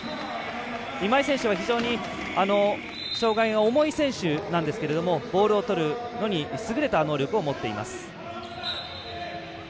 今井選手は非常に障がいが重い選手なんですがボールをとるのに優れた能力を持っています。